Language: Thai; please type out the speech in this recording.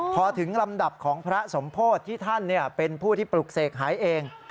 พอถึงลำดับของพระสมโพธิที่ท่านเป็นผู้ที่ปลุกเสกหายเอง